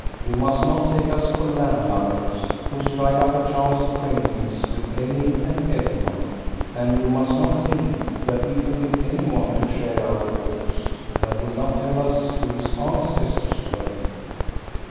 You must not take us for land lubbers who strike up a chance acquaintance with any and everyone! And you must not think that we permit anyone to share our quarters, that will not tell us who his ancestors were."